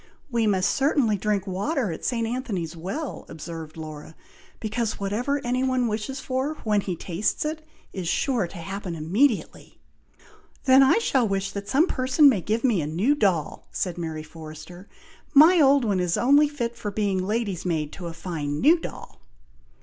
"We must certainly drink water at St. Anthony's Well," observed Laura; "because whatever any one wishes for when he tastes it, is sure to happen immediately." "Then I shall wish that some person may give me a new doll," said Mary Forrester. "My old one is only fit for being lady's maid to a fine new doll."